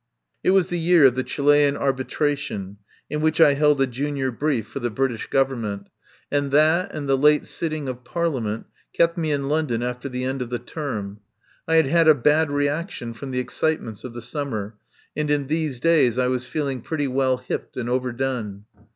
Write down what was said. It was the year of the Chilian Arbitration, in which I held a junior brief for the British 212 RETURN OF THE WILD GEESE Government, and that and the late sitting of Parliament kept me in London after the end of the term. I had had a bad reaction from the excitements of the summer, and in these days I was feeling pretty well hipped and overdone.